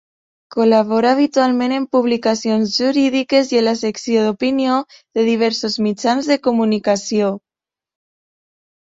Col·labora habitualment en publicacions jurídiques i en la secció d'opinió de diversos mitjans de comunicació.